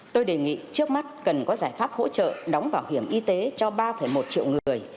tôi đề nghị trước mắt cần có giải pháp hỗ trợ đóng bảo hiểm y tế cho ba một triệu người